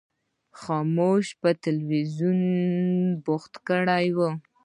خاموش په تلویزیون بوخت کړی و.